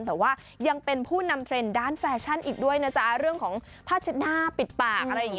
แต่ว่ายังเป็นผู้นำเทรนด์ด้านแฟชั่นอีกด้วยนะจ๊ะเรื่องของผ้าเช็ดหน้าปิดปากอะไรอย่างนี้